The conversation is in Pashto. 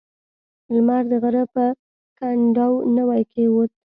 لمر د غره په کنډو نوی کېوت.